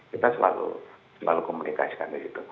kita selalu komunikasikan disitu